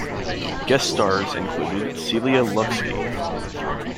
Guest stars included Celia Lovsky.